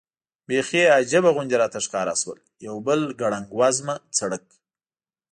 بېخي عجیبه غوندې راته ښکاره شول، یو بل ګړنګ وزمه سړک.